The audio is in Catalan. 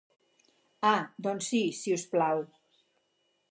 Ah doncs si, si us plau.